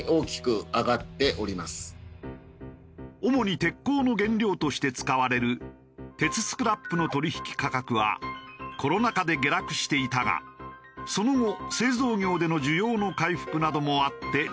主に鉄鋼の原料として使われる鉄スクラップの取引価格はコロナ禍で下落していたがその後製造業での需要の回復などもあって上昇。